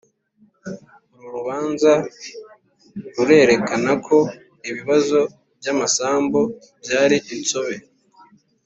uru rubanza rurerekana ko ibibazo by’amasambu byari insobe